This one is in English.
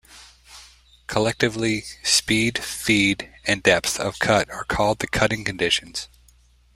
Collectively, speed, feed, and depth of cut are called the cutting conditions.